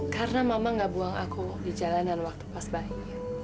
karena mama gak buang aku di jalanan waktu pas baik